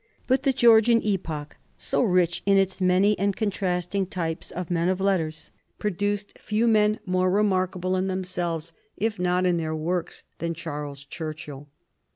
But the Georgian epoch, so rich in its many and contrasting types of men of letters, produced few men more remarkable in themselves, if not in their works, than Charles Churchill.